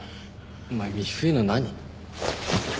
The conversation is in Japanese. お前美冬の何？